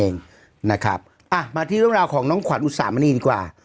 เองนะครับอ่ะมาที่เรื่องราวของน้องขวัญอุสามณีดีกว่า